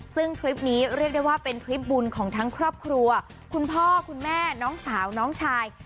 ซึ่งคลิปนี้เรียกได้ว่าเป็นทริปบุญของทั้งครอบครัวคุณพ่อคุณแม่น้องสาวน้องชาย